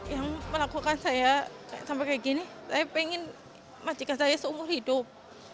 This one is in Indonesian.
yang melakukan saya sampai kayak gini saya pengen majikan saya seumur hidup